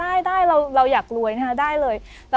เพื่อว่าจะฝรดางกว่าใครอะไรช่วยครับ